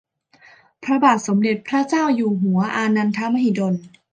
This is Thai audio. พระบาทสมเด็จพระเจ้าอยู่หัวอานันทมหิดล